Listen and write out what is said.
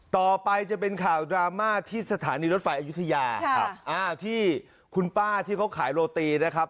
ต่อไปจะเป็นข่าวดราม่าที่สถานีรถไฟอายุทยาที่คุณป้าที่เขาขายโรตีนะครับ